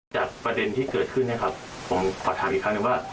ประเด็นที่เกิดขึ้นนะครับผมขอถามอีกครั้งหนึ่งว่า